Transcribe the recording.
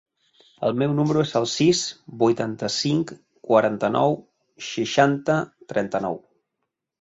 El meu número es el sis, vuitanta-cinc, quaranta-nou, seixanta, trenta-nou.